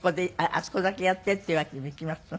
あそこだけやってっていうわけにもいきます？